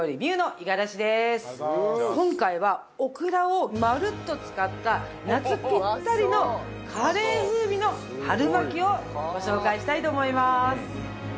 今回はオクラをまるっと使った夏ぴったりのカレー風味の春巻きをご紹介したいと思います。